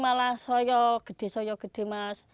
malah lebih besar